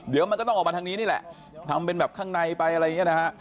เดี๋ยวมันก็ต้องออกมาทางนี้นี่แหละทำเป็นแบบข้างในไปอะไรอย่างนี้นะฮะ